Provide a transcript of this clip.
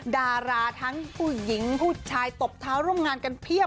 ดาราทั้งผู้หญิงผู้ชายตบเท้าร่วมงานกันเพียบ